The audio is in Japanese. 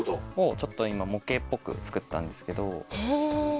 ちょっと今模型っぽく作ったんですけど。